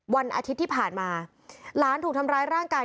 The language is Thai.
วันอาทิตย์ที่ผ่านมาหลานถูกทำร้ายร่างกาย